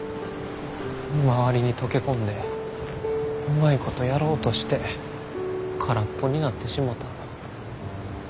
周りに溶け込んでうまいことやろうとして空っぽになってしもた。